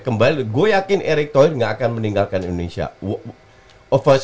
kembali gue yakin eric toyer nggak akan meninggalkan indonesia